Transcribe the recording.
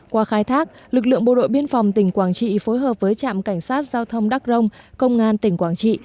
qua khai thác lực lượng bộ đội biên phòng tỉnh quảng trị phối hợp với trạm cảnh sát giao thông đắc rông công an tỉnh quảng trị